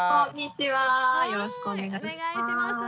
よろしくお願いします。